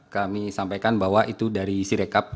kami sampaikan bahwa itu dari sirekap